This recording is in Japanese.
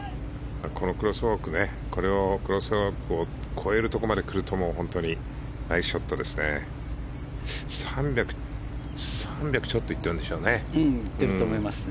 このクロスウォークを越えるところまでくると本当にナイスショットですね。